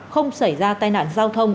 không xảy ra tai nạn giao thông